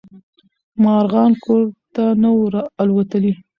مارغان ګور ته نه وو الوتلي.